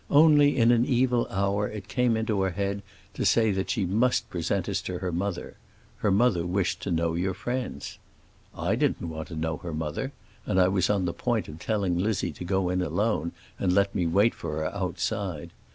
Only in an evil hour it came into her head to say that she must present us to her mother—her mother wished to know your friends. I didn't want to know her mother, and I was on the point of telling Lizzie to go in alone and let me wait for her outside.